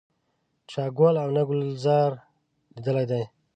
چا ګل او نه ګلزار لیدلی دی.